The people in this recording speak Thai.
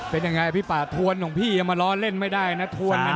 เป็นยังไงพี่ป่าทวนของพี่ยังมาล้อเล่นไม่ได้นะทวนนะ